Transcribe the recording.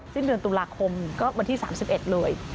สิ้นเดือนตุลาคมก็วันที่๓๑เลย